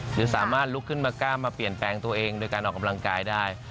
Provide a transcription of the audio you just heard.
หรือสามารถลุกขึ้นมากล้ามมาเปลี่ยนแปลงตัวเองโดยการออกกำลังกายได้